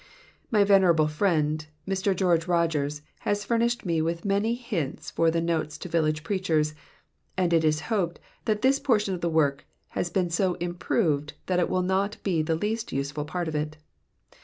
My venerable friend, Mr. George Rogers, has furnished me with many hints for the notes to village preachers, and it is hoped that this portion of the work has been so improved that it will not be the least useful part of it.